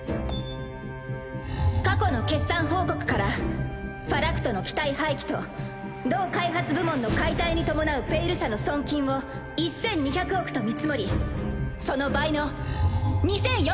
過去の決算報告からファラクトの機体廃棄と同開発部門の解体に伴う「ペイル社」の損金を１２００億と見積もりその倍の２４００億。